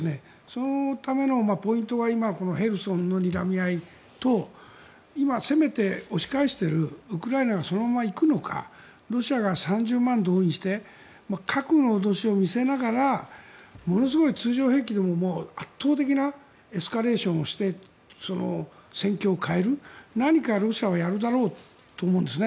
そのためのポイントは今ヘルソンのにらみ合いと今攻めて押し返しているウクライナが、そのままいくのかロシアが３０万人動員して核の脅しを見せながら通常兵器でも圧倒的なエスカレーションをして戦況を変える何かロシアはやるだろうと思うんです。